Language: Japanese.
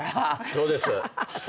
そうです。